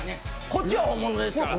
こっちは本物ですから。